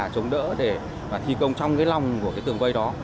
chúng đỡ để thi công trong cái lòng của cái tường vây đó